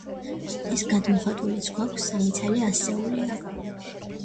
ეს გადმოხატულიც გვაქვს; სამი ცალი ასეულია.